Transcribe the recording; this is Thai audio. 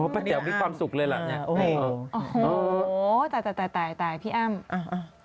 พี่แอ้มโอ้โหแต่พี่แอ้ม